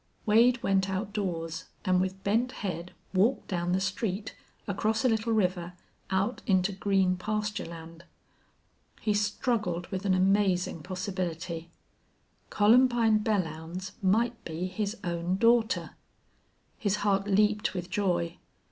Wade went outdoors, and with bent head walked down the street, across a little river, out into green pasture land. He struggled with an amazing possibility. Columbine Belllounds might be his own daughter. His heart leaped with joy.